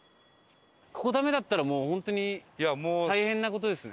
ここダメだったらもう本当に大変な事ですね。